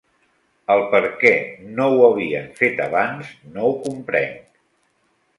El perquè no ho havien fet abans no ho comprenc.